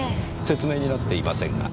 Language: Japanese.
説明になっていませんが。